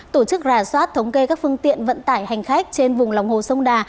tổ chức rà soát thống kê các phương tiện vận tải hành khách trên vùng lòng hồ sông đà